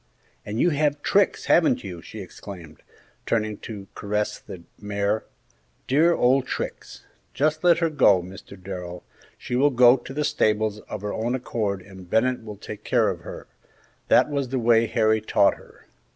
"And you have Trix, haven't you?" she exclaimed, turning to caress the mare. "Dear old Trix! Just let her go, Mr. Darrell; she will go to the stables of her own accord and Bennett will take care of her; that was the way Harry taught her.